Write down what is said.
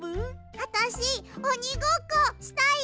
あたしおにごっこしたい！